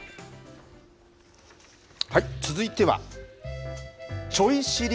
続いては、ちょい知り！